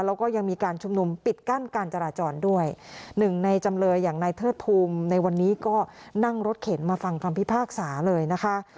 แล้วก็ยังมีการชุมนุมปิดกั้นการจราจรด้วยหนึ่งในจำเลยอย่างนายเทิดภูมิในวันนี้ก็นั่งรถเข็นมาฟังคำพิพากษาเลยนะคะ